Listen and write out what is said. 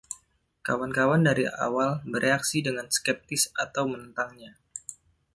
Kawan-kawan lain dari awal bereaksi dengan skeptis atau menentangnya.